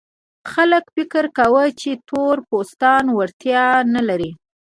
خلک فکر کاوه چې تور پوستان وړتیا نه لري.